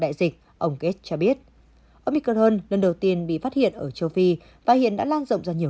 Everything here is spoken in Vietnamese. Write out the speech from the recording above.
đại dịch ông gate cho biết omicron lần đầu tiên bị phát hiện ở châu phi và hiện đã lan rộng ra nhiều